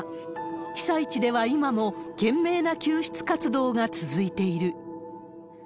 被災地では今も懸命な救出活動が続いている。